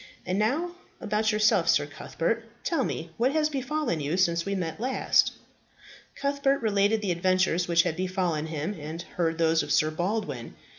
And now about yourself, Sir Cuthbert; tell me what has befallen you since we last met." Cuthbert related the adventures which had befallen him, and heard those of Sir Baldwin.